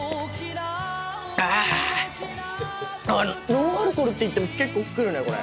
ノンアルコールっていっても結構来るねこれ。